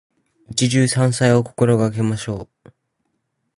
一汁三菜を心がけましょう。